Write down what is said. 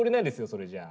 それじゃあ。